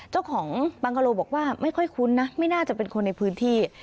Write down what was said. เจ้าของบังกะโลบอกว่าไม่ค่อยคุ้นนะไม่น่าจะเป็นคนในพื้นที่